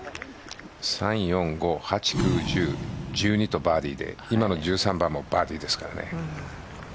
３、４、５、８、９、１０１２とバーディーで今の１３番もバーディーですからね。